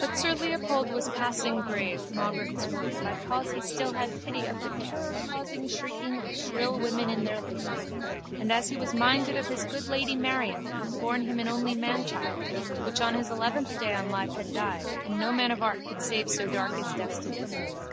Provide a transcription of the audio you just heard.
But sir Leopold was passing grave maugre his word by cause he still had pity of the terrorcausing shrieking of shrill women in their labour and as he was minded of his good lady Marion that had borne him an only manchild which on his eleventh day on live had died and no man of art could save so dark is destiny.